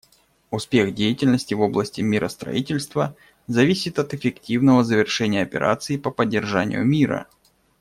Успех деятельности в области миростроительства зависит от эффективного завершения операций по поддержанию мира.